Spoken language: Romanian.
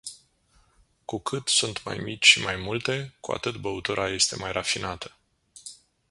Cu cât sunt mai mici și mai multe, cu atât băutura este mai rafinată.